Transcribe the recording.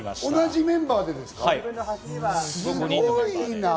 同じメンバーでですか？